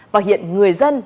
và hiện người dân